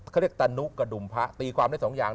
เขาเรียกตะนุกระดุมพระตีความได้สองอย่าง